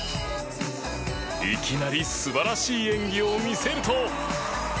いきなり素晴らしい演技を見せると。